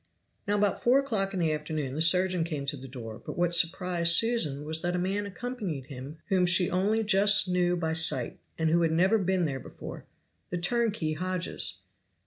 Now about four o'clock in the afternoon the surgeon came to the door; but what surprised Susan was that a man accompanied him whom she only just knew by sight, and who had never been there before the turnkey Hodges.